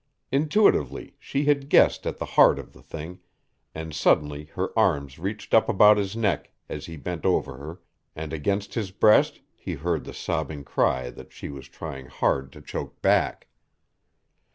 Intuitively she had guessed at the heart of the thing, and suddenly her arms reached up about his neck as he bent over her and against his breast he heard the sobbing cry that she was trying hard to choke back.